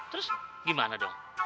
terus gimana dong